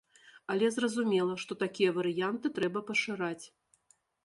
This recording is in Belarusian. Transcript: Але зразумела, што такія варыянты трэба пашыраць.